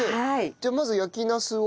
じゃあまず焼きナスを？